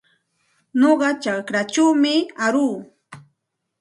Nuqa chakraćhawmi aruu.